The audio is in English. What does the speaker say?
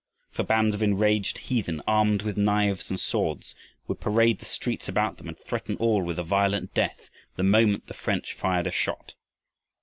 For bands of enraged heathen, armed with knives and swords, would parade the streets about them and threaten all with a violent death the moment the French fired a shot.